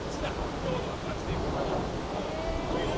今日の感じで行くと。